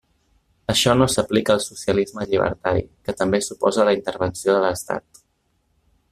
Això no s'aplica al socialisme llibertari, que també s'oposa a la intervenció de l'Estat.